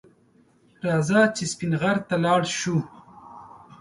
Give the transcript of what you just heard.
راځه چې سپین غر ته لاړ شو